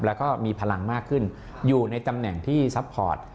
แล้วก็มีพลังมากขึ้นอยู่ในตำแหน่งที่ซัพพอร์ต